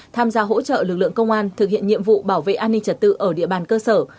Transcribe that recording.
tham gia hỗ trợ lực lượng công an thực hiện nhiệm vụ bảo vệ an ninh trật tự ở địa bàn cơ sở